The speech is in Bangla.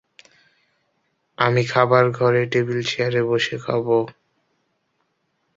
আমি খাবার ঘরে টেবিল-চেয়ারে বসে খাব।